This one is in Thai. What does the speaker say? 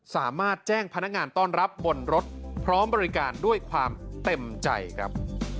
สามารถแจ้งพนักงานต้อนรับบนรถพร้อมบริการด้วยความเต็มใจครับ